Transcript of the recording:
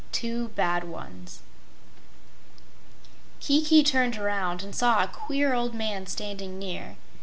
3. Two Bad Ones Kiki turned around and saw a queer old man standing near.